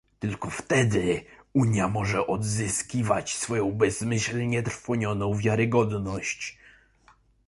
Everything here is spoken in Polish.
Tylko wtedy Unia może odzyskiwać swoją bezmyślnie trwonioną wiarygodność